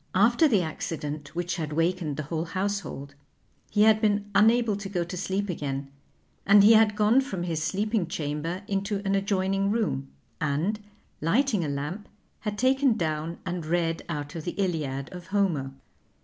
After the accident, which had wakened the whole household, he had been unable to go to sleep again and he had gone from his sleeping chamber into an adjoining room, and, lighting a lamp, had taken down and read out of the "Iliad" of Homer.